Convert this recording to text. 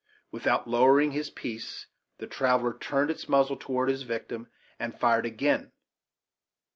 Without lowering his piece, the traveller turned its muzzle toward his victim, and fired again.